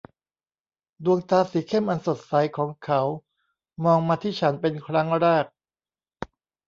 ดวงตาสีเข้มอันสดใสของเขามองมาที่ฉันเป็นครั้งแรก